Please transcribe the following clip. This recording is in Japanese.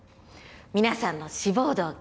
皆さんの志望動機